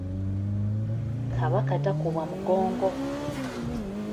Kabaka takubwa mugongo.